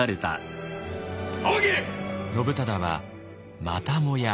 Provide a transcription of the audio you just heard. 信忠はまたもや